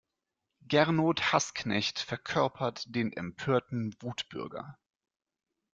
Gernot Hassknecht verkörpert den empörten Wutbürger.